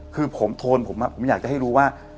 คือผมโทนผมผมอยากจะให้รู้ว่า